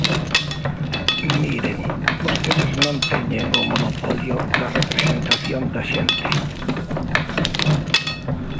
Miren, vostedes non teñen o monopolio da representación da xente.